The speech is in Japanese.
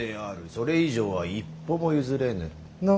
それ以上は一歩も譲れぬ。